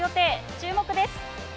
注目です。